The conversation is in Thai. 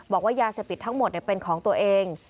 บอกว่ายาเสพติดทั้งหมดเป็นของตัวเอง